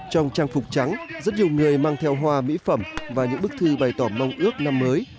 trong trang phục trắng rất nhiều người mang theo hoa mỹ phẩm và những bức thư bày tỏ mong ước năm mới